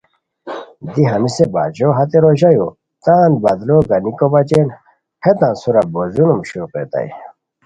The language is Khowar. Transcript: دی ہنیسے باچھو ہتے روژایو تان بدلو گانیکو بچین ہیتان سورا بو ظلم شروغیتائے